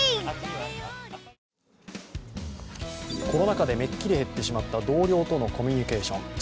コロナ禍でめっきり減ってしまった同僚とのコミュニケーション。